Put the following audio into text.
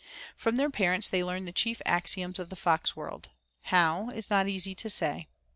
From their parents they learned the chief axioms of the fox world. How, is not easy to say.